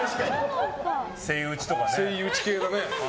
セイウチとかね。